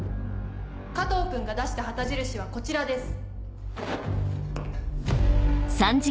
⁉加藤君が出した旗印はこちらです。